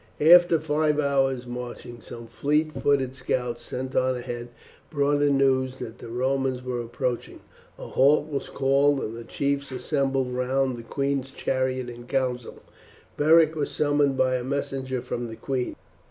After five hours' marching some fleet footed scouts sent on ahead brought in the news that the Romans were approaching. A halt was called, and the chiefs assembled round the queen's chariot in council. Beric was summoned by a messenger from the queen.